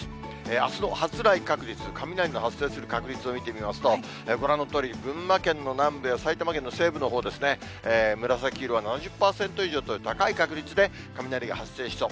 あすの発雷確率、雷の発生する確率を見てみますと、ご覧のとおり、群馬県の南部や埼玉県の西部のほう、紫色は７０％以上という高い確率で、雷が発生しそう。